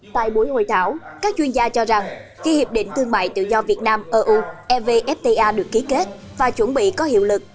tại buổi hội thảo các chuyên gia cho rằng khi hiệp định thương mại tự do việt nam eu evfta được ký kết và chuẩn bị có hiệu lực